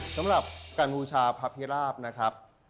สำหรับการบูชาพระพิราบนะครับ